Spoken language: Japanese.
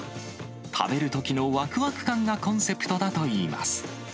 食べるときのわくわく感がコンセプトだといいます。